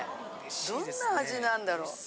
どんな味なんだろう？